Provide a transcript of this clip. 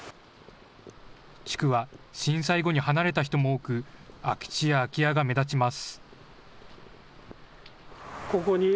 地区は震災後に離れた人も多く空き地や空き家が目立ちます。